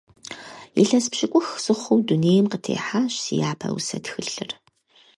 Илъэс пщыкӏух сыхъуу дунейм къытехьащ си япэ усэ тхылъыр.